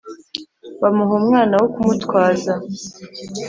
Bamuha umwana wo kumutwaza